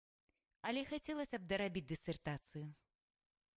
Але хацелася б дарабіць дысертацыю.